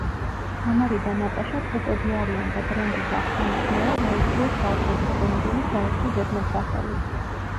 თამარი და ნატაშა ტყუპები არიან და ბრენდის აღსანიშნავად აირჩიეს ბავშვობის დროინდელი საერთო ზედმეტსახელი.